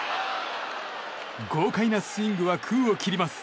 豪快なスイングは空を切ります。